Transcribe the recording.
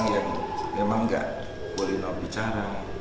saya mereka menighkan ciuman